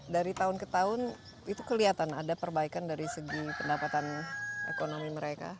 dari tahun ke tahun itu kelihatan ada perbaikan dari segi pendapatan ekonomi mereka